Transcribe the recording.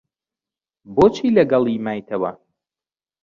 بۆچی لەگەڵی مایتەوە؟